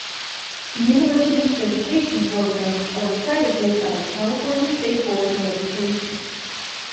The university's education programs are accredited by the California State Board of Education.